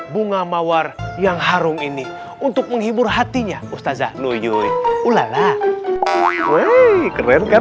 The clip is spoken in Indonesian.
bunga mawar yang harum ini untuk menghibur hatinya ustazah nuyuy ulala weh keren kapan